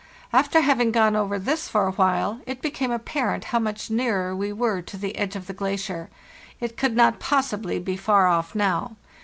After having gone over this for a while, it became apparent how much nearer we were to the edge of the glacier. It could not possibly be far off now.